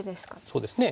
そうですね。